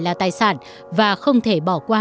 là tài sản và không thể bỏ qua